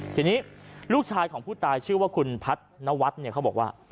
ทีนี้ลูกชายของผู้ตายชื่อว่าคุณพัฒนวัฒน์เนี่ยเขาบอกว่า